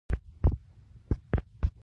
خور د نرمو خبرو سرچینه ده.